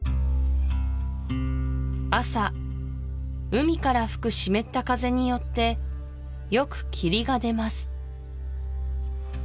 朝海から吹く湿った風によってよく霧が出ます